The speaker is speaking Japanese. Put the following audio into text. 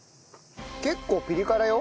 結構ピリ辛よ。